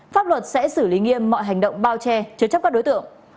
pháp luật sẽ xử lý nghiêm mọi hành động bao che chứa chấp các đối tượng